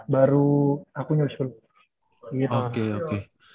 baru aku nyuruh rogers